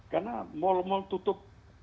karena mal mal tutup